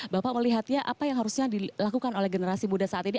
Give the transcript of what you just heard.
bapak melihatnya apa yang harusnya dilakukan oleh generasi muda saat ini